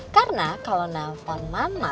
karena kalau nelfon mama